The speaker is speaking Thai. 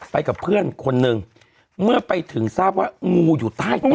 กับเพื่อนคนหนึ่งเมื่อไปถึงทราบว่างูอยู่ใต้ตัว